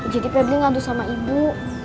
jadi febri ngadu sama ibu